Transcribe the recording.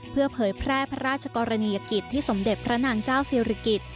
เพื่อเผยแพร่พระราชกรณียกิจที่สมเด็จพระนางเจ้าศิริกิจ